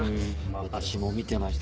私も見てましたよ。